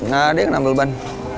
nggak ada yang ambil ban